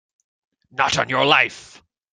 Not on your life!